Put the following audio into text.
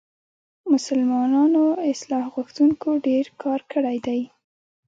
مسلمانو اصلاح غوښتونکو ډېر کار کړی دی.